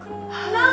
kok gak masalah